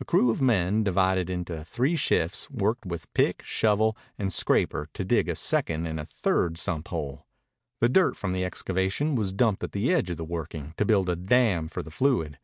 A crew of men, divided into three shifts, worked with pick, shovel, and scraper to dig a second and a third sump hole. The dirt from the excavation was dumped at the edge of the working to build a dam for the fluid.